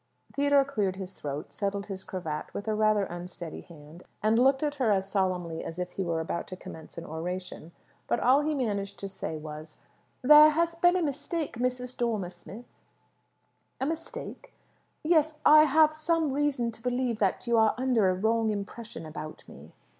Theodore cleared his throat, settled his cravat with a rather unsteady hand, and looked at her as solemnly as if he were about to commence an oration. But all he managed to say was "There has been a mistake, Mrs. Dormer Smith." "A mistake?" "Yes. I have some reason to believe that you are under a wrong impression about me."